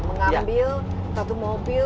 mengambil satu mobil